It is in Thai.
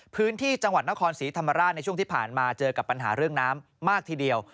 พื้นที่จังหวัดนครศรีธรรมราชในช่วงที่ผ่านมาเจอกับปัญหาเรื่องน้ำมากทีเดียว